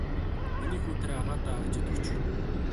Миний хүү тэр агаадаа аваачаад өгчих.